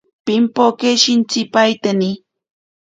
Pimpoke shintsipaiteni.